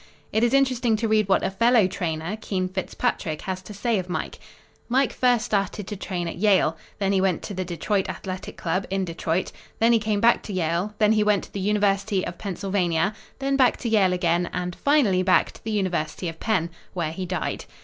It is interesting to read what a fellow trainer, Keene Fitzpatrick, has to say of Mike: "Mike first started to train at Yale. Then he went to the Detroit Athletic Club in Detroit; then he came back to Yale; then he went to the University of Pennsylvania; then back to Yale again, and finally back to the University of Penn', where he died.